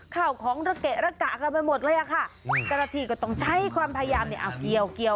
ข่าวของระเกะระกะกันไปหมดเลยอะค่ะเจ้าหน้าที่ก็ต้องใช้ความพยายามเนี่ยเอาเกี่ยว